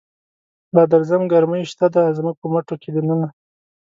لادرزم ګرمی شته دی، زموږ په مټوکی دننه